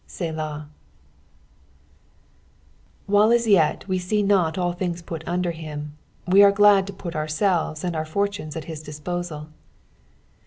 Selah. While as yet we see not all things put under him, we are glad to put ourselves and our fortunes at his disposal.